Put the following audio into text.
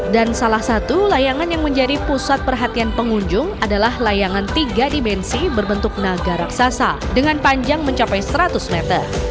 dan salah satu layangan yang menjadi pusat perhatian pengunjung adalah layangan tiga dimensi berbentuk naga raksasa dengan panjang mencapai seratus meter